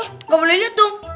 eh ga boleh nyet dong